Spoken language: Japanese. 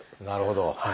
なるほど。